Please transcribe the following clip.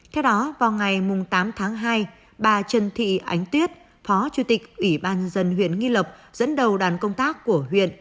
theo đó vào ngày tám tháng hai bà trần thị ánh tuyết phó chủ tịch ủy ban dân huyện nghi lộc dẫn đầu đoàn công tác của huyện